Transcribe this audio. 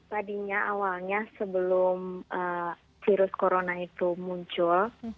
tadinya awalnya sebelum virus corona itu muncul